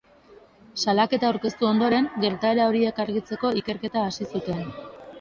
Salaketak aurkeztu ondoren, gertaera horiek argitzeko ikerketa hasi zuten.